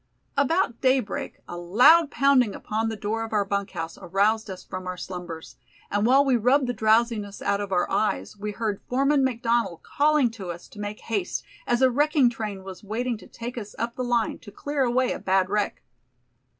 About daybreak a loud pounding upon the door of our bunk house aroused us from our slumbers, and while we rubbed the drowsiness out of our eyes we heard Foreman McDonald calling to us to make haste, as a wrecking train was waiting to take us up the line to clear away a bad wreck.